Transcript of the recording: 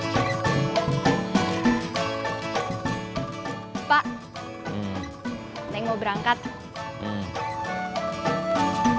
sampai jumpa di video selanjutnya